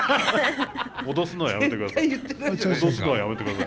脅すのはやめてください。